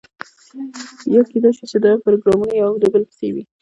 یا کیدای شي چې دا پروګرامونه یو د بل پسې وي.